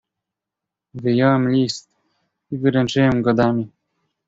"Wyjąłem list i wręczyłem go damie."